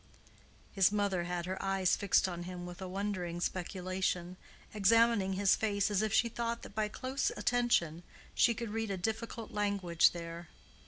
His mother had her eyes fixed on him with a wondering speculation, examining his face as if she thought that by close attention she could read a difficult language there.